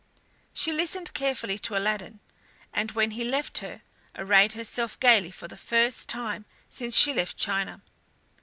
She listened carefully to Aladdin and when he left her, arrayed herself gaily for the first time since she left China.